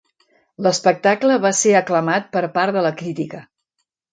L'espectacle va ser aclamat per part de la crítica.